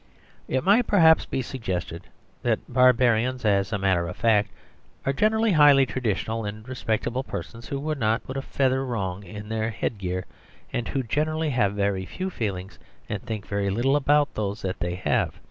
It might, perhaps, be suggested that barbarians, as a matter of fact, are generally highly traditional and respectable persons who would not put a feather wrong in their head gear, and who generally have very few feelings and think very little about those they have.